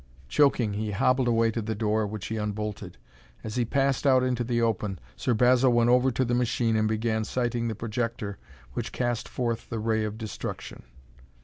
Choking, he hobbled away to the door, which he unbolted. As he passed out into the open, Sir Basil went over to the machine and began sighting the projector which cast forth the ray of destruction.